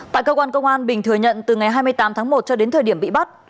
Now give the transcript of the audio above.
tại cơ quan công an bình thừa nhận từ ngày hai mươi tám tháng một cho đến thời điểm bị bắt